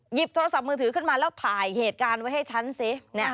หยิบโทรศัพท์มือถือขึ้นมาแล้วถ่ายเหตุการณ์ไว้ให้ฉันสิ